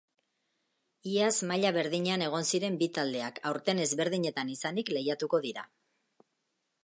Iaz maila berdinean egon ziren bi taldeak, aurten ezberdinetan izanik lehiatuko dira.